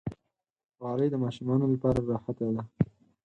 غالۍ د ماشومانو لپاره راحته ده.